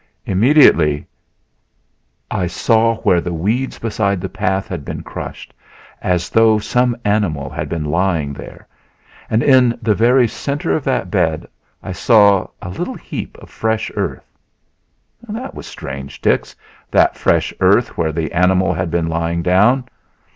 Immediately I saw where the weeds beside the path had been crushed, as though some animal had been lying down there, and in the very center of that bed I saw a little heap of fresh earth. That was strange, Dix, that fresh earth where the animal had been lying down!